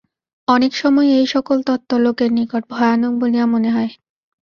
অনেক সময় এই-সকল তত্ত্ব লোকের নিকট ভয়ানক বলিয়া মনে হয়।